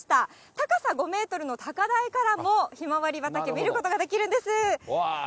高さ５メートルの高台からも、ひまわり畑見ることができるんです。